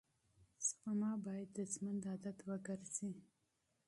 سپما باید د ژوند عادت وګرځي.